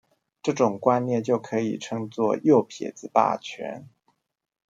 這種觀念就可以稱作「右撇子霸權」